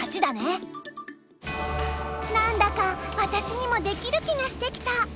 何だか私にもできる気がしてきた。